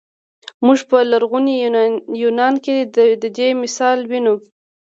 موږ په لرغوني یونان کې د دې مثال وینو.